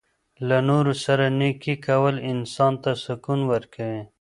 له نورو سره نیکي کول انسان ته سکون ورکوي.